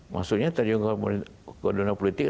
maksudnya terjun ke dunia politik